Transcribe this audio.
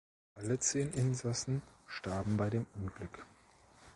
Alle zehn Insassen starben bei dem Unglück.